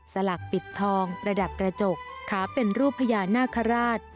สลักปิดทองประดับกระจกขาเป็นรูปพญานาคาราช